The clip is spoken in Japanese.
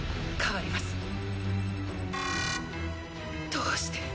どうして。